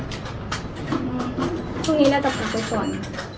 พรุ่งนี้น่าจะพักไปก่อน